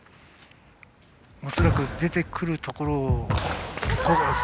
恐らく出てくるところを。